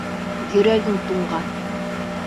Йөрәгең туңған!